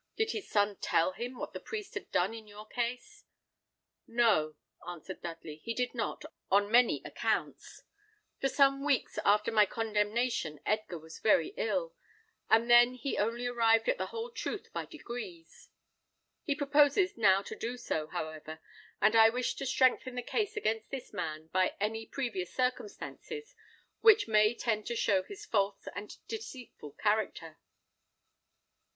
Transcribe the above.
Did his son tell him what the priest had done in your case?" "No," answered Dudley, "he did not, on many accounts. For some weeks after my condemnation Edgar was very ill, and then he only arrived at the whole truth by degrees. He proposes now to do so, however, and I wish to strengthen the case against this man by any previous circumstances which may tend to show his false and deceitful character."